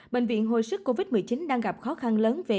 bệnh viện hồi sức covid một mươi chín đang gặp khó khăn lớn